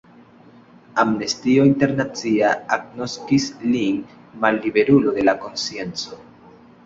Amnestio Internacia agnoskis lin malliberulo de la konscienco.